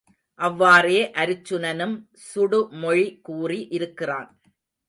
அவ்வாறே அருச்சுனனும் சுடுமொழி கூறி இருக்கிறான்.